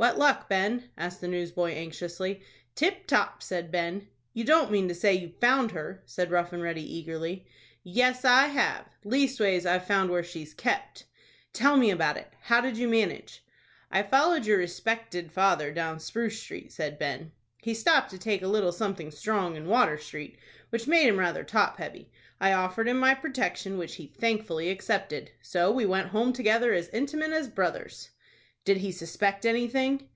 "What luck, Ben?" asked the newsboy, anxiously. "Tip top," said Ben. "You don't mean to say you've found her?" said Rough and Ready, eagerly. "Yes, I have,—leastways I've found where she's kept." "Tell me about it. How did you manage?" "I followed your respected father down Spruce Street," said Ben. "He stopped to take a little something strong in Water Street, which made him rather top heavy. I offered him my protection, which he thankfully accepted; so we went home together as intimate as brothers." "Did he suspect anything?"